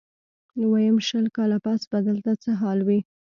ويم شل کاله پس به دلته څه حال وي.